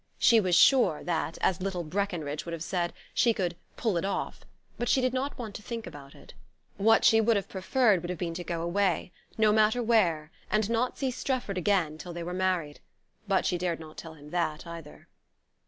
She was sure that, as little Breckenridge would have said, she could "pull it off"; but she did not want to think about it. What she would have preferred would have been to go away no matter where and not see Strefford again till they were married. But she dared not tell him that either.